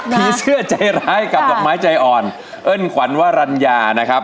ทีเจื้อใจร้ายกับหวับไม้ใจอ่อนเอิ้นควันวรัญญา